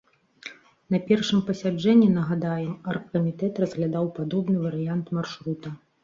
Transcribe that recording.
На першым паседжанні, нагадаем, аргкамітэт разглядаў падобны варыянт маршрута.